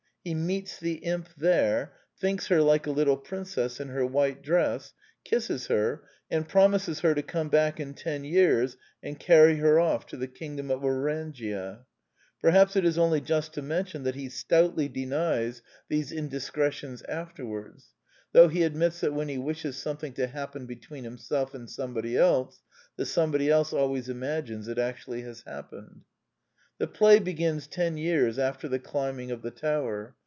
He meets the imp there; thinks her like a litde princess in her white dress; kisses her; and promises her to come back in ten years and carry her off to the kingdom of Orangia. Perhaps it is only just to mention that he stoutly denies these The Last Four Plays 145 indiscretions afterwards; though he admits that when he wishes something to happen between himself and somebody else, the somebody else always imagines it actually has happened. The play begins ten years after the climbing of the tower.